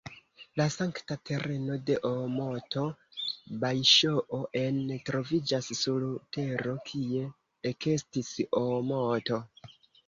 La sankta tereno de Oomoto "Bajŝoo-en" troviĝas sur la tero, kie ekestis Oomoto.